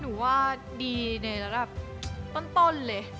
หนูว่าดีในระดับต้นเลย